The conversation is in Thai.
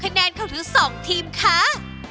เพราะได้ทั้งคะแนนความอร่อยและคานานความสวยงาม